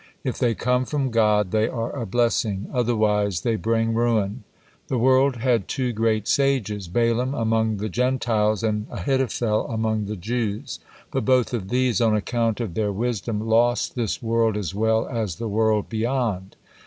If they come from God, they are a blessing, otherwise they bring ruin. The world had two great sages, Balaam among the Gentiles, and Ahithophel among the Jews, but both of these, on account of their wisdom, lost this world as well as the world beyond.